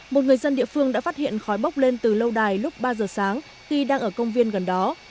một người dân địa phương đã phát hiện khói bốc lên từ lâu đài lúc ba giờ sáng khi đang ở công viên gần đó